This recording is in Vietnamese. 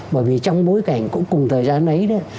bởi vì trong bối cảnh cũng cùng thời gian ấy đó